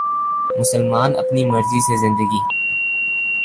مسلمان اپنی مرضی سے زندگی